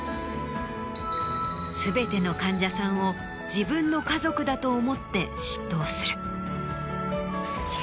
全ての患者さんを自分の家族だと思って執刀する。